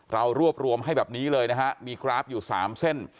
เรารวบรวมให้แบบนี้เลยนะฮะมีกราฟอยู่๓เส้น